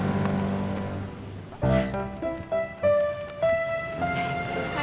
kacimot dari mana